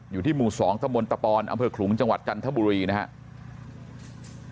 อยู่ที่หมู่๒ตะมนตะปอนอำเภอขลุงจังหวัดจันทบุรีนะครับ